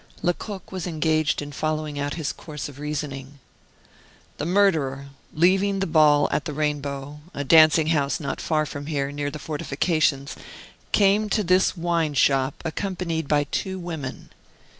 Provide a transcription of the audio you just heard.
Lecoq was engaged in following out his course of reasoning. "The murderer, leaving the ball at the Rainbow, a dancing house not far from here, near the fortifications, came to this wine shop, accompanied by two women.